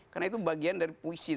karena itu bagian dari puisi